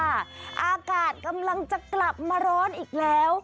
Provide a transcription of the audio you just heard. อากาศกำลังจะกลับมาร้อนอีกแล้ว